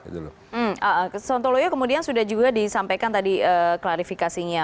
sontoloyo kemudian sudah juga disampaikan tadi klarifikasinya